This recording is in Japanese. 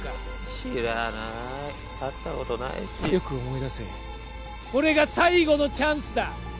知らない会ったことないしよく思い出せこれが最後のチャンスだ